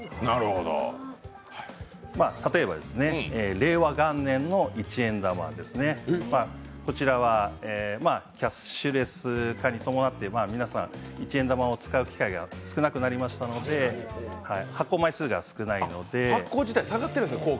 例えば、令和元年の一円玉ですねこちらはキャッシュレス化に伴って皆さん、一円玉を使う機会が少なくなりましたので、発行枚数が少ないので。